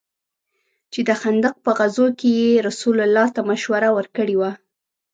چې د خندق په غزوه كښې يې رسول الله ته مشوره وركړې وه.